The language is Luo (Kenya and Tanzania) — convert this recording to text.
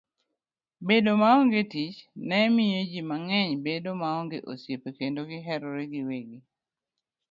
Bedo maonge tich ne miyo ji mang'eny bedo maonge osiepe kendo giherore giwegi.